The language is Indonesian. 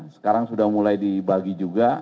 sekarang sudah mulai dibagi juga